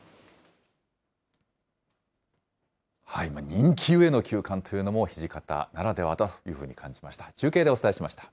人気ゆえの休館というのも、土方ならではというふうに感じました。